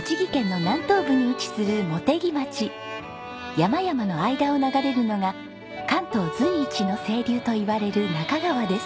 山々の間を流れるのが関東随一の清流といわれる那珂川です。